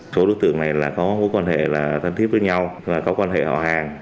số đối tượng này có quan hệ thân thiết với nhau có quan hệ họ hàng